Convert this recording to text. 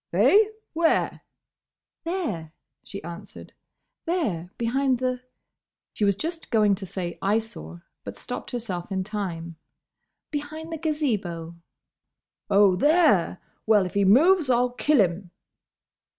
"Eh? Where?" "There," she answered, "there, behind the—" she was just going to say "Eyesore," but stopped herself in time. "Behind the Gazebo." "Oh, there! Well, if he moves I'll kill him!"